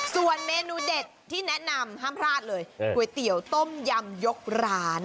ส่วนเมนูเด็ดที่แนะนำห้ามพลาดเลยก๋วยเตี๋ยวต้มยำยกร้าน